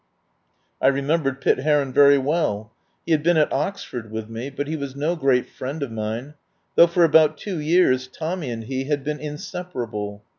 I remembered Pitt Heron very well. He had been at Oxford with me, but he was no great friend of mine, though for about two years Tommy and he had been inseparable.